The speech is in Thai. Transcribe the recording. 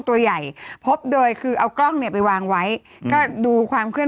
ตัวใหญ่พบโดยคือเอากล้องเนี่ยไปวางไว้ก็ดูความเคลื่อ